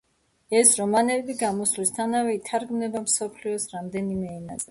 ეს რომანები გამოსვლისთანავე ითარგმნა მსოფლიოს რამდენიმე ენაზე.